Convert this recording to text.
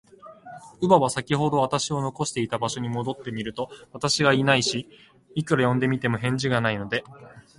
乳母は、さきほど私を残しておいた場所に戻ってみると、私がいないし、いくら呼んでみても、返事がないので、